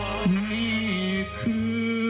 นี่คือ